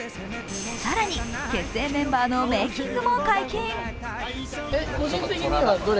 更に、結成メンバーのメーキングも解禁。